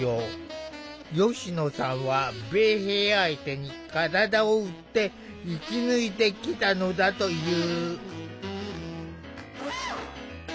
吉野さんは米兵相手に体を売って生き抜いてきたのだという。